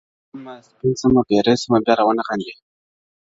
که تور سم، سپين سمه، پيری سم بيا راونه خاندې,